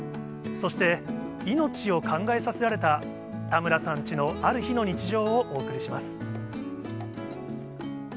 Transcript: そして、命を考えさせられた田村さんチのある日の日常をお送りします。